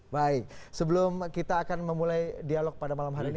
baik sebelum kita akan memulai dialog pada malam hari ini